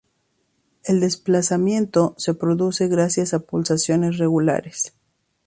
El desplazamiento se produce gracias a pulsaciones regulares.